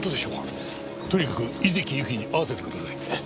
とにかく井関ゆきに会わせてください。